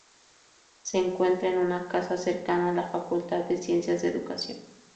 Se encuentra en una "casa" cercana a la Facultad de Ciencias de la Educación.